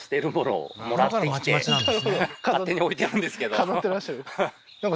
これ飾ってらっしゃる？